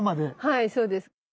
はいそうです。